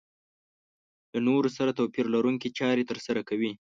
له نورو سره توپير لرونکې چارې ترسره کوي.